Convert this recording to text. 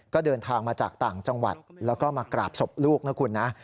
ก็เดินทางมาจากต่างจังหวัดแล้วก็มากราบศพลูกนะคุณนะ